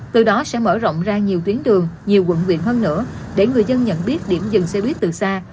từ đó sẽ mở rộng ra nhiều tuyến đường nhiều quận quyện hơn nữa để người dân nhận biết điểm dừng xe buýt từ xa